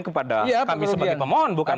kepada kami sebagai pemohon bukan